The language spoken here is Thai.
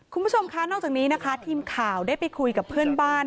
คุณผู้ชมคะนอกจากนี้นะคะทีมข่าวได้ไปคุยกับเพื่อนบ้าน